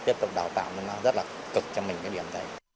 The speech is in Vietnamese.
tiếp tục đào tạo nên nó rất là cực cho mình cái điểm đấy